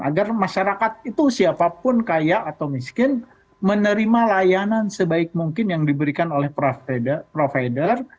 agar masyarakat itu siapapun kaya atau miskin menerima layanan sebaik mungkin yang diberikan oleh provider